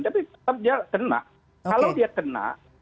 tapi tetap dia tenak kalau dia tenak